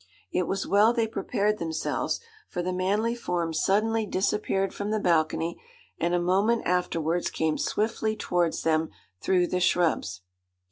It was well they prepared themselves, for the manly form suddenly disappeared from the balcony, and a moment afterwards came swiftly towards them through the shrubs.